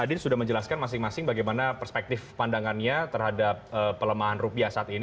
adin sudah menjelaskan masing masing bagaimana perspektif pandangannya terhadap pelemahan rupiah saat ini